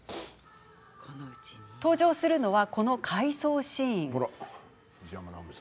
登場するのは、この回想シーン。